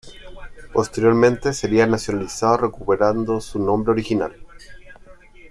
Posteriormente sería nacionalizado recuperando su nombre original.